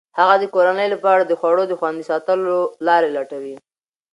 هغه د کورنۍ لپاره د خوړو د خوندي ساتلو لارې لټوي.